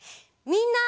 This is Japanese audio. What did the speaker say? みんな！